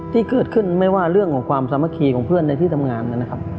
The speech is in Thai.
ที่เกิดขึ้นไม่ว่าเรื่องของความสามัคคีของเพื่อนในที่ทำงานนะครับ